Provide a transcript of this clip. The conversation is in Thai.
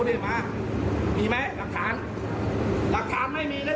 พี่เอามาเป็นสัตว์